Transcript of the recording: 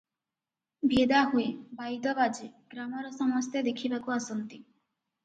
ଭେଦା ହୁଏ, ବାଇଦ ବାଜେ, ଗ୍ରାମର ସମସ୍ତେ ଦେଖିବାକୁ ଆସନ୍ତି ।